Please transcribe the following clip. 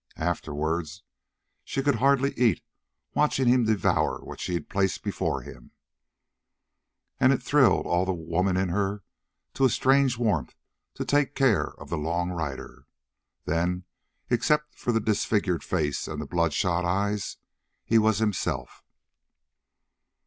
Afterward she could hardly eat, watching him devour what she placed before him; and it thrilled all the woman in her to a strange warmth to take care of the long rider. Then, except for the disfigured face and the bloodshot eyes, he was himself.